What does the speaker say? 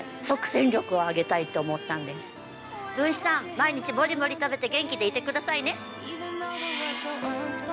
毎日もりもり食べて元気でいてくださいね。